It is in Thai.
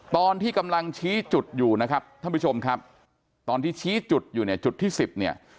ตอนที่กำลังชี้จุดอยู่นะครับท่านผู้ชมครับตอนที่ชี้จุดอยู่เนี่ยจุดที่สิบเนี่ย